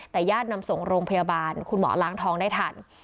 แต่ญาตินำส่งโรงพยาบาลคุณหมอล้างทองได้ทัน